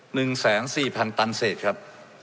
หนึ่งแสนสี่พันตันเศษครับ